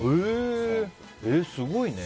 すごいね。